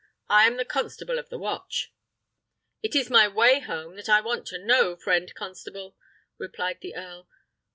I am the constable of the watch." "It is my way home that I want to know, friend constable," replied the earl.